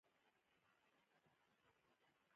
په کمونېستي اقتصادي بنسټونو کې ژور بدلونونه راغلي.